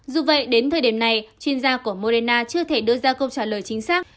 dù vậy đến thời điểm này chuyên gia của morena chưa thể đưa ra câu trả lời chính xác